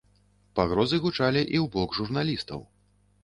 Пагрозы гучалі і ў бок журналістаў.